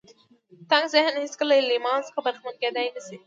تنګ ذهن هېڅکله له ایمان څخه برخمن کېدای نه شي